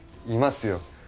いますよ。